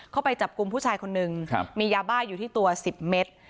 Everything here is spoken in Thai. เข้าไปจับกลุ่มผู้ชายคนนึงมียาบ้าอยู่ที่ตัว๑๐เมตร